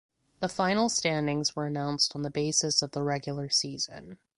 The final standings were announced on the basis of the Regular season.